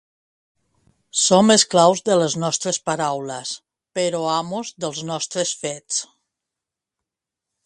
Som esclaus de les nostres paraules però amos dels nostres fets.